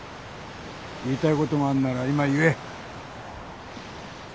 言いたいことがあるなら今言え。